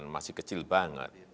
masih kecil banget